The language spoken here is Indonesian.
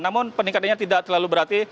namun peningkatannya tidak terlalu berarti